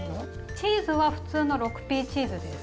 チーズは普通の６Ｐチーズです。